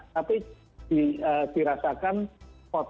tapi dirasakan kot